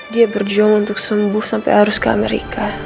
dia berjuang untuk sembuh sampai harus ke amerika